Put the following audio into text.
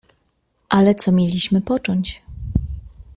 "Ale co mieliśmy począć?"